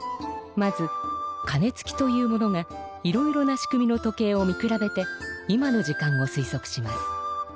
まず「かねつき」という者がいろいろな仕組みの時計を見くらべて今の時間をすいそくします。